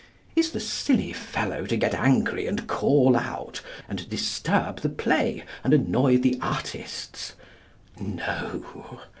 Is the silly fellow to get angry and call out, and disturb the play, and annoy the artists? No.